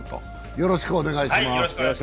よろしくお願いします。